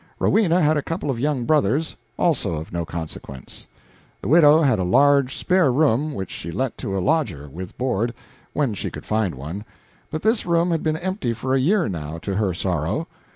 Rowena had a couple of young brothers also of no consequence. The widow had a large spare room which she let to a lodger, with board, when she could find one, but this room had been empty for a year now, to her sorrow.